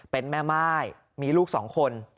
เป็นแม่ม่ายมีลูก๒คน